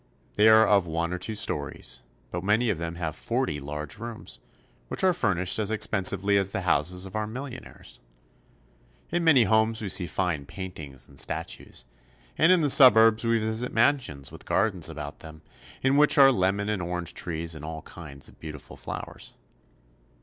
They are of one or two stories, but many of them have forty large rooms, which are fur nished as expensively as the houses of our millionaires. In many homes we see fine paintings and statues, and in the suburbs we visit mansions with gardens about them, in which are lemon and orange trees and all kinds of beautiful flowers.